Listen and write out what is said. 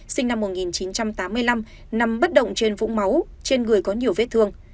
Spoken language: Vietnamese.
sinh năm một nghìn chín trăm tám mươi năm nằm bất động trên vũng máu trên người có nhiều vết thương